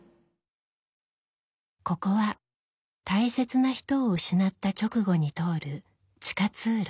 ここは大切な人を失った直後に通る地下通路。